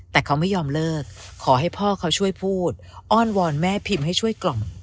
แต่เขาไม่ยอมเลิกขอให้พ่อเขาช่วยพูดอ้อนวอนแม่พิมพ์ให้ช่วยกล่อม